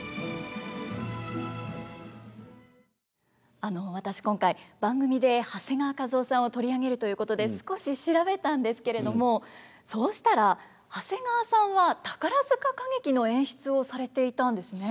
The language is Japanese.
あの私今回番組で長谷川一夫さんを取り上げるということで少し調べたんですけれどもそうしたら長谷川さんは宝塚歌劇の演出をされていたんですね。